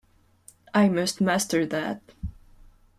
I must master that.